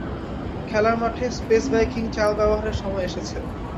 খেলার মাঠে space viking চাল ব্যবহারের সময় এসেছে।